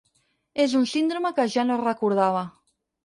És un síndrome que ja no recordava.